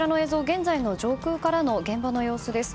現在の上空からの現場の様子です。